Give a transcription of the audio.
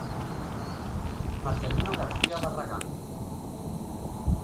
Marcelino García Barragán.